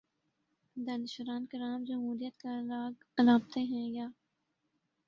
دانشوران کرام جمہوریت کا راگ الاپتے ہیں یا